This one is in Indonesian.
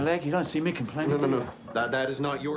saya telah menembaknya di kaki kamu tidak melihat saya menyalahkan